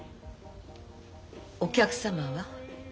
お客様は？